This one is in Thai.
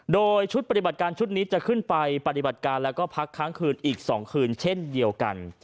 โดยชุดปฏิบัติการชุดนี้จะขึ้นไปปฏิบัติการแล้วก็พักค้างคืนอีก๒คืนเช่นเดียวกัน